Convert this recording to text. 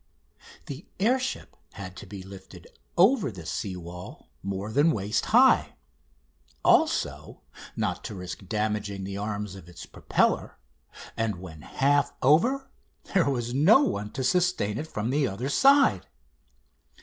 The air ship had to be lifted over the sea wall more than waist high; also, not to risk damaging the arms of its propeller, and when half over, there was no one to sustain it from the other side.